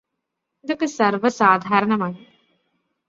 ഇതൊക്കെ സർവസാധാരണമാണ്